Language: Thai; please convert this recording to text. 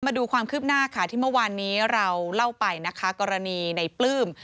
มาดูความคืบหน้าค่ะที่เมื่อวานนี้เราเล่าไปนะคะกรณีในปลื้ม